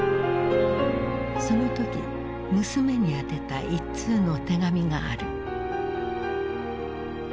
その時娘に宛てた一通の手紙がある。